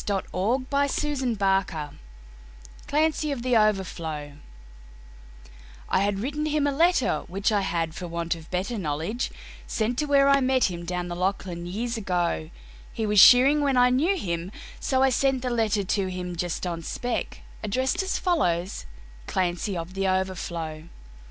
Andrew Barton Paterson Clancy Of The Overflow I HAD written him a letter which I had, for want of better Knowledge, sent to where I met him down the Lachlan years ago; He was shearing when I knew him, so I sent the letter to him, Just on spec, addressed as follows, "Clancy, of The Overflow."